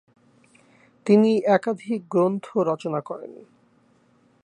তিনি একাধিক গ্রন্থ রচনা করেন।